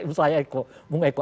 itu loh mas eko